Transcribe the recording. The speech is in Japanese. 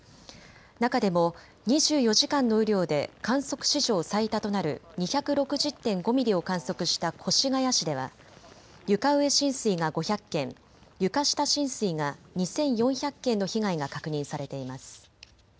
中でも２４時間の雨量で観測史上最多となる２６０．５ミリを観測した越谷市では床上浸水が５００件、床下浸水が２４００件の被害が確認されています。